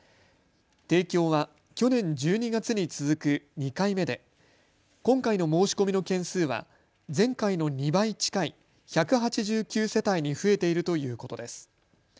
提供は去年１２月に続く２回目で今回の申し込みの件数は前回の２倍近い１８９世帯に増えているということです。